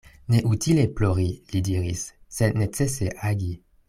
Neutile plori, li diris, sed necese agi.